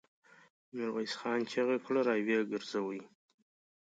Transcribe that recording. ميرويس خان چيغه کړه! را ويې ګرځوئ!